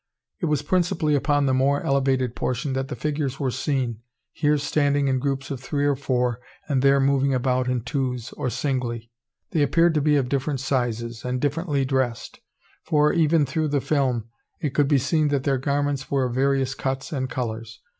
It was principally upon the more elevated portion that the figures were seen, here standing in groups of three or four, and there moving about in twos, or singly. They appeared to be of different sizes, and differently dressed: for, even through the film, it could be seen that their garments were of various cuts and colours.